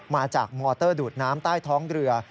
มาจากมอเตอร์ดูดน้ำใต้ท้องเรือ